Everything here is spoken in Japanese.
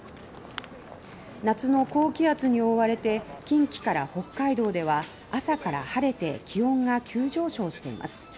夏の高気圧に覆われて近畿から北海道では朝から晴れて気温が急上昇しています。